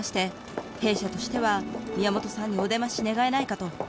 ☎弊社としては宮本さんにお出まし願えないかと